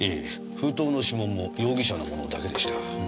封筒の指紋も容疑者のものだけでした。